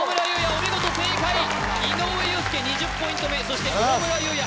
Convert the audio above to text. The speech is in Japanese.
お見事正解井上裕介２０ポイント目そして大村優也